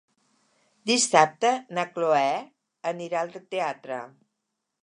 Dissabte na Cloè anirà al teatre.